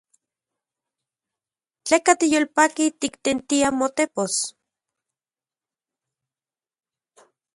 ¿Tleka tiyolpaki tiktentia motepos?